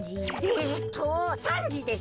えっと３じです。